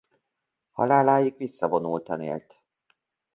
Haláláig visszavonultan élt.